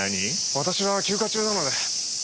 私は休暇中なので。